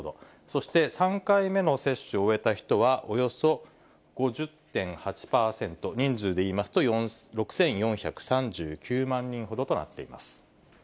そして３回目の接種を終えた人は、およそ５０．８％、人数でいいますと６４３９万人ほどとなっています。